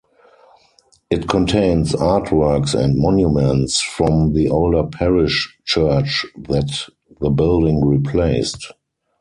It contains artworks and monuments from the older parish church that the building replaced.